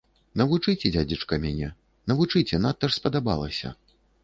Навучыце, дзядзечка, мяне, навучыце, надта ж спадабалася.